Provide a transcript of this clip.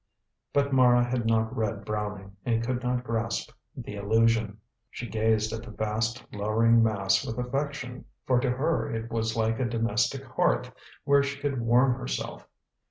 But Mara had not read Browning, and could not grasp the allusion. She gazed at the vast, lowering mass with affection, for to her it was like a domestic hearth where she could warm herself.